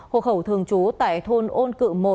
hộ khẩu thường trú tại thôn ôn cự một